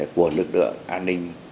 của lực lượng an ninh